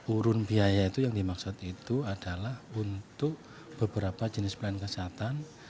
urun biaya itu yang dimaksud itu adalah untuk beberapa jenis pelayanan kesehatan